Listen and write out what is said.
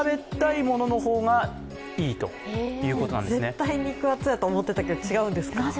絶対、肉厚やと思ってたんですけど、違うんですか？